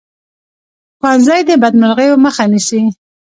ښوونځی د بدمرغیو مخه نیسي